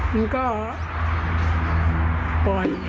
มันก็ปล่อย